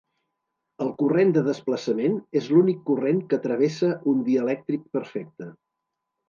El corrent de desplaçament és l'únic corrent que travessa un dielèctric perfecte.